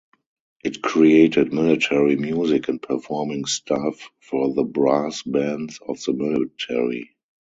It created military music and performing staff for the brass bands of the military.